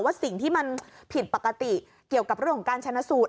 สิ่งที่มันผิดปกติเกี่ยวกับเรื่องของการชนะสูตร